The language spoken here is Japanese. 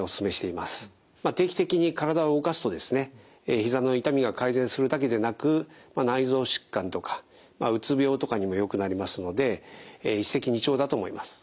ひざの痛みが改善するだけでなく内臓疾患とかうつ病とかにもよくなりますので一石二鳥だと思います。